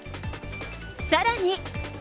さらに。